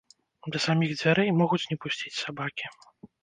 Да саміх дзвярэй могуць не пусціць сабакі.